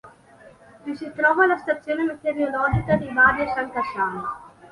Vi si trova la stazione meteorologica di Badia San Cassiano.